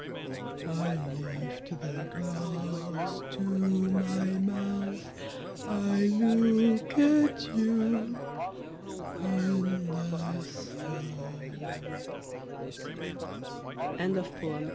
I lift the glass to my mouth, I look at you, and I sigh.